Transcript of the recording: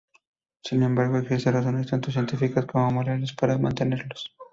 Sin embargo, existen razones tanto científicas como morales para mantenerlos.